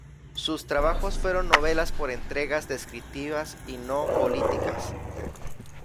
Sus trabajos fueron novelas por entregas, descriptivas y no políticas.